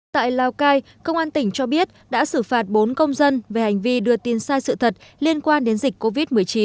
tại lào cai công an tỉnh cho biết đã xử phạt bốn công dân về hành vi đưa tin sai sự thật liên quan đến dịch covid một mươi chín